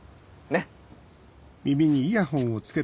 ねっ。